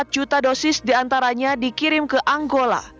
empat juta dosis diantaranya dikirim ke anggola